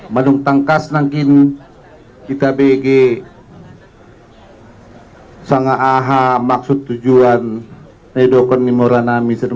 madung tangkas nangkin kita bg sangat aha maksud tujuan medokon mora nami sedang